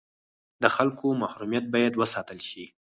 د خلکو محرمیت باید وساتل شي